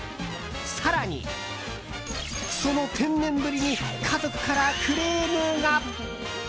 更に、その天然ぶりに家族からクレームが？